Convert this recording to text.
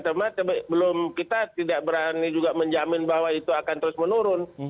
cuma kita tidak berani juga menjamin bahwa itu akan terus menurun